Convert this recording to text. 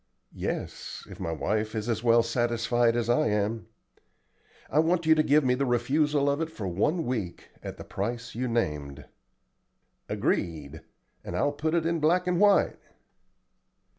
"Yes, if my wife is as well satisfied as I am. I want you to give me the refusal of it for one week at the price you named." "Agreed, and I'll put it in black and white."